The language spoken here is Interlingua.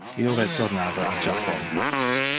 Io retornava a Japon.